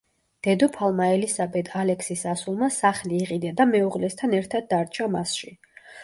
დედოფალმა ელისაბედ ალექსის ასულმა სახლი იყიდა და მეუღლესთან ერთად დარჩა მასში.